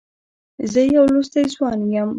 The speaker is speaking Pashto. زه يو لوستی ځوان یم.